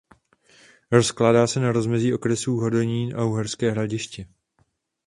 Rozkládá se na rozmezí okresů Hodonín a Uherské Hradiště.